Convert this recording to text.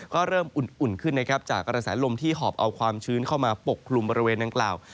ก็เริ่มอุ่นขึ้นจากกระสาหร่มที่หอบเอาความชื้นเข้ามาปกลุ่มบริเวณนั้นกล่าว